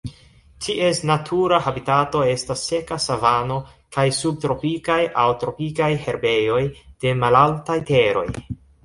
Ties natura habitato estas seka savano kaj subtropikaj aŭ tropikaj herbejoj de malaltaj teroj.